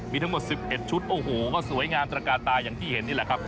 มีทั้งหมด๑๑ชุดโอ้โหก็สวยงามตระกาตาอย่างที่เห็นนี่แหละครับ